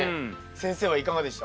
先生はいかがでした？